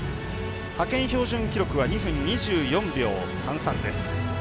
派遣標準記録は２分２４秒３３です。